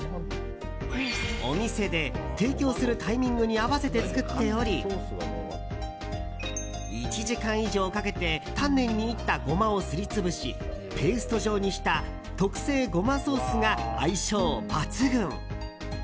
お店で提供するタイミングに合わせて作っており１時間以上かけて丹念に煎ったゴマをすり潰しペースト状にした特製ゴマソースが相性抜群！